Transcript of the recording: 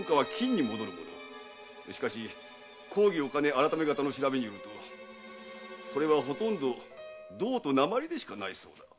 しかし公儀御金改方の調べによるとこれはほとんど銅と鉛でしかないそうだ。